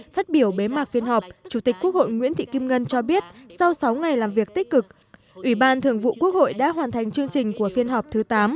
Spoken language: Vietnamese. phát biểu bế mạc phiên họp chủ tịch quốc hội nguyễn thị kim ngân cho biết sau sáu ngày làm việc tích cực ủy ban thường vụ quốc hội đã hoàn thành chương trình của phiên họp thứ tám